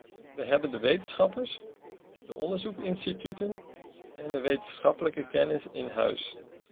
We hebben de wetenschappers, de onderzoeksinstituten en de wetenschappelijke kennis in huis.